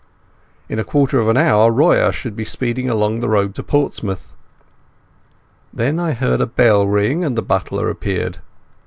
In a quarter of an hour Royer should be speeding along the road to Portsmouth.... Then I heard a bell ring, and the butler appeared.